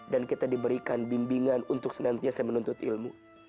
dan kita diberikan bimbingan untuk senantiasa menuntut ilmu